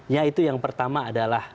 yaitu yang pertama adalah